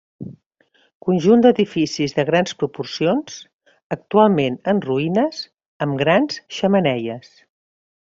Conjunt d'edificis de grans proporcions, actualment en ruïnes, amb grans xemeneies.